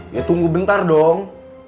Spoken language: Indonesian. ya tunggu bentar dong